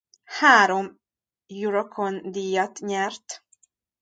Három Eurocon-díjat nyert.